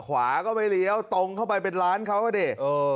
ขวาก็ไม่เลี้ยวตรงเข้าไปเป็นร้านเขาอ่ะดิ